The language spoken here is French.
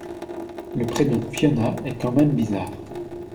Le prénom Fiona est quand même bizarre.